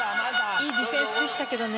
いいディフェンスでしたけどね。